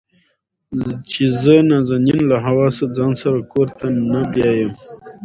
چې زه نازنين له حواسه ځان سره کور ته نه بيايم.